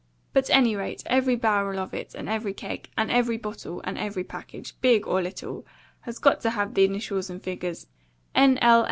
But, any rate, every barrel of it, and every keg, and every bottle, and every package, big or little, has got to have the initials and figures N.L.